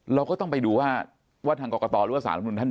เราก็ต้องไปดูว่าทางกรกตหรือว่าสารรัฐมนุนท่าน